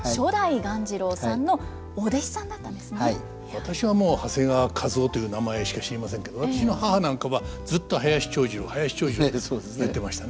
私はもう長谷川一夫という名前しか知りませんけど私の母なんかはずっと「林長二郎林長二郎」って言ってましたね。